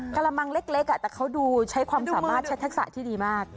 กระมังเล็กแต่เขาดูใช้ความสามารถใช้ทักษะที่ดีมาก